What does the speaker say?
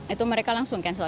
itu mereka langsung cancel